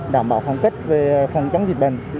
đảm bảo phòng kết về phòng chống dịch bệnh